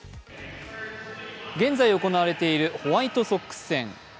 現在行われているホワイトソックス戦。